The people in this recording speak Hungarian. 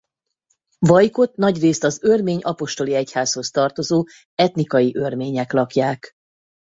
Vajkot nagyrészt az örmény apostoli egyházhoz tartozó etnikai örmények lakják.